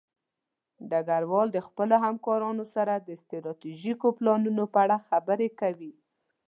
ډګروال د خپلو همکارانو سره د ستراتیژیکو پلانونو په اړه خبرې کوي.